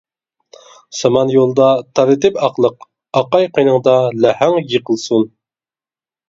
سامان يولىدا تارىتىپ ئاقلىق، ئاقاي قېنىڭدا لەھەڭ يىقىلسۇن.